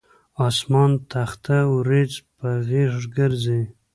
اسمان تخته اوریځ په غیږ ګرځي